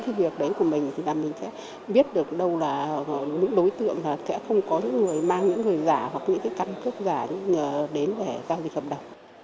sẽ không có những người mang những người giả hoặc những cái căn cức giả đến để giao dịch hợp đồng